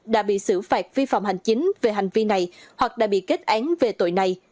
đã bị xử phạt vi phạm hành chính về hành vi này hoặc đã bị kết án về tội này